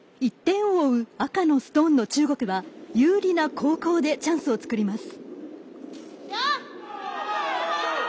１点を追う赤のストーンの中国は有利な後攻でチャンスを作ります。